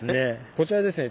こちらですね